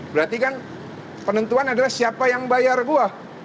berarti kan penentuan adalah siapa yang bayar buah